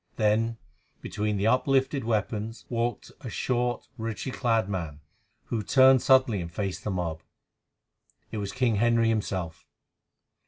Then between the uplifted weapons walked a short, richly clad man, who turned suddenly and faced the mob. It was King Henry himself.